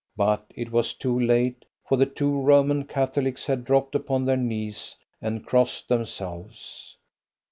But it was too late, for the two Roman Catholics had dropped upon their knees and crossed themselves.